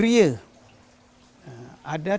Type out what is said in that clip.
ada pengelukatan di gria